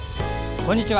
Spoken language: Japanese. こんにちは。